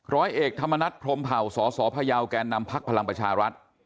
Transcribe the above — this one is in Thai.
ร้อยเอกธรรมนัฐพรมเผ่าสสพยาวแก่นำพักพลังประชารัฐ